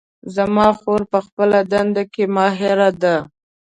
زما خور په خپله دنده کې ماهره ده